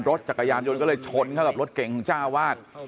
รถจักรยานยนต์ก็เลยชนเข้ากับรถเก่งของเจ้าวาด